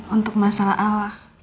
untuk masalah al